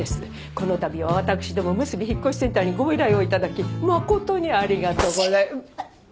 この度はわたくしどもむすび引越センターにご依頼を頂き誠にありがとう。シッ！